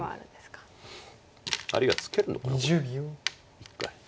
あるいはツケるのかな一回。